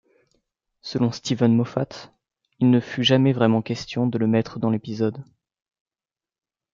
Selon Steven Moffat il ne fut jamais vraiment question de le mettre dans l'épisode.